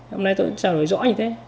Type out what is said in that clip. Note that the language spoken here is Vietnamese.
hôm nay tôi cũng trao đổi rõ như thế